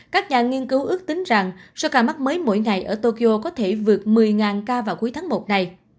các nhà nghiên cứu ước tính rằng số ca mắc mới mỗi ngày ở tokyo có thể vượt một mươi ca vào cuối tháng một này